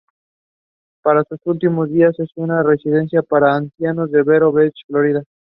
Pasó sus últimos días en una residencia para ancianos en Vero Beach, Florida.